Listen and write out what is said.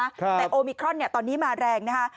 แต่โอมิครอนเนี่ยตอนนี้มาแรงนะคะ